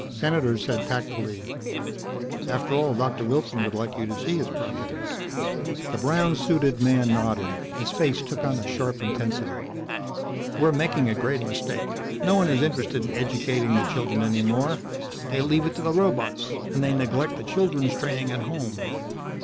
Senator said tactfully, "After all, Doctor Wilson would like you to see his project." The brown suited man nodded. His face took on a sharp intensity. "We're making a great mistake. No one is interested in educating the children any more. They leave it to the robots. And they neglect the children's training at home."